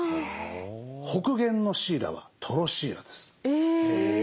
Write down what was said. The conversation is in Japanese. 北限のシイラはトロシイラです。